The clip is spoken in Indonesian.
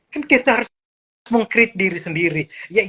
kan kita harus meng create diri sendiri